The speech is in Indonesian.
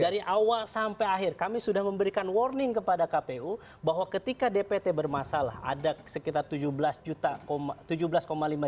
dari awal sampai akhir kami sudah memberikan warning kepada kpu bahwa ketika dpt bermasalah ada sekitar tujuh belas juta